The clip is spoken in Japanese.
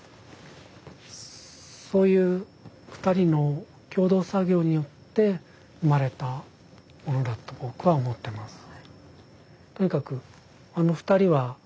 そういう二人の共同作業によって生まれたものだと僕は思ってます。